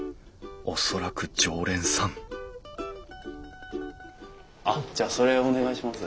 恐らく常連さんあっじゃあそれをお願いします。